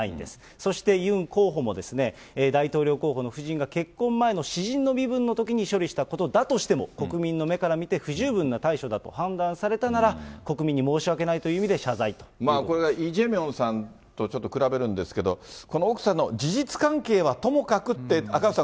そしてユン候補も、大統領候補の夫人が結婚前の私人の身分のときに処理したことだとしても、国民の目から見て不十分な対処だと判断されたなら、国民これがイ・ジェミョンさんとちょっと比べるんですけども、この奥さんの事実関係はともかくって、赤星さん